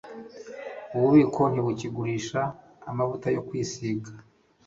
Ububiko ntibukigurisha amavuta yo kwisiga